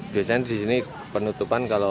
biasanya di sini penutupan kalau